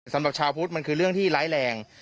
สำหรับชาวพุทธมันคือเรื่องที่ร้ายแรง